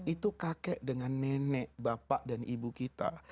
itu kakek dengan nenek bapak dan ibu kita